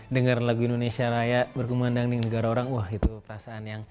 dengar lagu indonesia raya berkembang dengan negara orang wah itu perasaan yang